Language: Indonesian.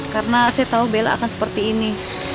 karena saya tahu bella akan seperti ini